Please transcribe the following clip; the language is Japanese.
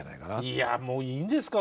いやもういいんですか？